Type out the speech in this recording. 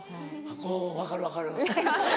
うん分かる分かる。